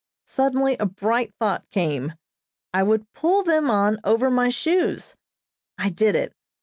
Suddenly a bright thought came. I would pull them on over my shoes. I did it.